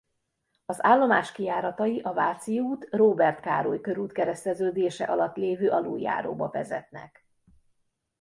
Az állomás kijáratai a Váci út–Róbert Károly körút kereszteződése alatt lévő aluljáróba vezetnek.